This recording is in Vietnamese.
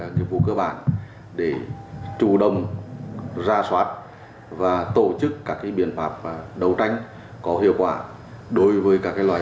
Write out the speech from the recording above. nghiệp vụ cơ bản để chủ động ra soát và tổ chức các biện pháp đấu tranh có hiệu quả đối với các loại